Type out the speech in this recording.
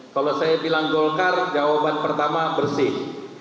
kalau saya bilang golkar jawaban pertama bersih